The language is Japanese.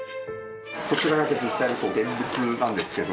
こちらが実際の現物なんですけど。